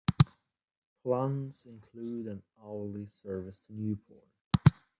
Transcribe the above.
Plans include an hourly service to Newport.